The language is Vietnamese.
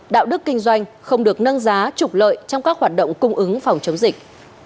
đạo đức kinh doanh không được nâng giá trục lợi trong các hoạt động cung ứng phòng chống dịch